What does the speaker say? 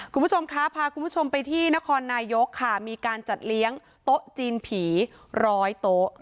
คุณผู้ชมคะพาคุณผู้ชมไปที่นครนายกค่ะมีการจัดเลี้ยงโต๊ะจีนผีร้อยโต๊ะ